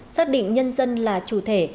xác định nhân dân là chủ thể